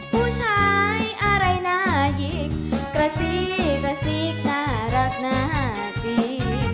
ผู้ชายอะไรน่ายิกกระซีกกระซีกน่ารักน่าตี